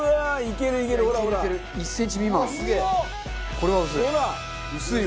これは薄い。